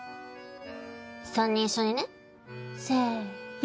３人一緒にねせの！